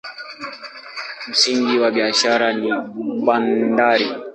Msingi wa biashara ni bandari.